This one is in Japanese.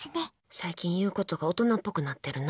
最近言うことが大人っぽくなってるな。